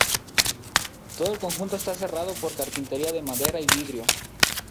Todo el conjunto está cerrado por carpintería de madera y vidrio.